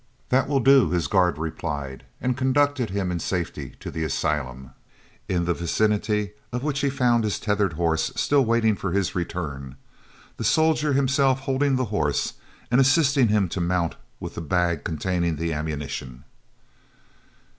"That will do," his guard replied, and conducted him in safety to the asylum, in the vicinity of which he found his tethered horse, still waiting for his return, the soldier himself holding his horse and assisting him to mount with the bag containing the ammunition.